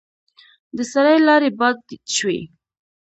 د سړي لاړې باد شوې.